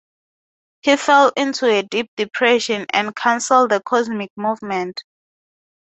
He fell into a deep depression, and cancelled the Cosmic Movement.